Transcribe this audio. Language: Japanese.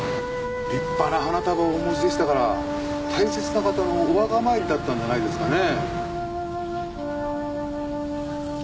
立派な花束をお持ちでしたから大切な方のお墓参りだったんじゃないですかね。